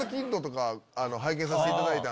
拝見させていただいた。